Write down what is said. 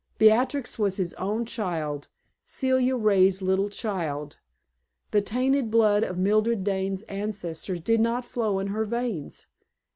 Beatrix was his own child Celia Ray's little child! The tainted blood of Mildred Dane's ancestors did not flow in her veins.